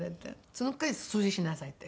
「その代わり掃除しなさい」って。